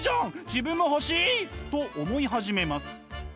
自分も欲しい！」と思い始めます。